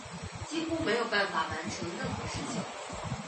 几乎没有办法完成任何事情